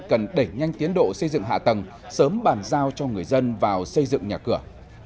cần đẩy nhanh tiến độ xây dựng hạ tầng sớm bàn giao cho người dân vào xây dựng nhà cửa